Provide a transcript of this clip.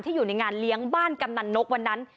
อยู่ในงานเลี้ยงบ้านกำนันนกวันนั้น